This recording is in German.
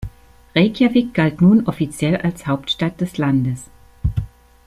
Reykjavík galt nun offiziell als Hauptstadt des Landes.